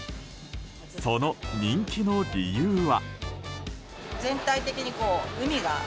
その人気の理由は。